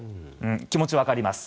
気持ちは分かります。